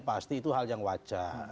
pasti itu hal yang wajar